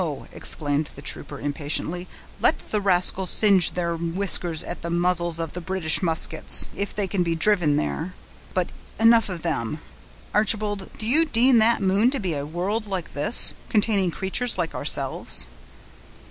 exclaimed the trooper, impatiently, "let the rascals singe their whiskers at the muzzles of the British muskets, if they can be driven there. But, enough of them. Archibald, do you deem that moon to be a world like this, containing creatures like ourselves?"